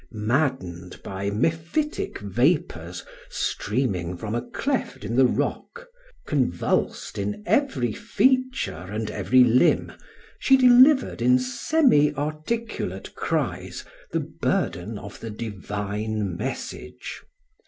Maddened by mephitic vapours streaming from a cleft in the rock, convulsed in every feature and every limb, she delivered in semi articulate cries the burden of the divine message.